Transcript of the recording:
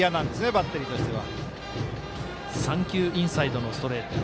バッテリーとしては。